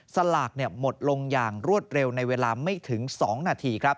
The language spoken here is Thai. สลากหมดลงอย่างรวดเร็วในเวลาไม่ถึง๒นาที